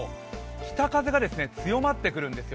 北風が強まってくるんですよ